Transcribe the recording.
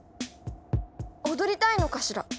踊りたいのかしら？